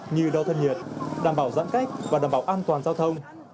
như đo thân nhiệt đảm bảo giãn cách và đảm bảo an toàn giao thông